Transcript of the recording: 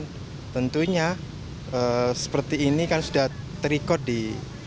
dan tentunya seperti ini kan sudah terikut di parkir